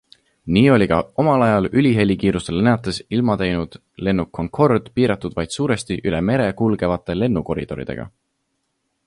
Nii oli ka omal ajal ülehelikiirusel lennates ilma teinud lennuk Concorde piiratud vaid suuresti üle mere kulgevate lennukoridoridega.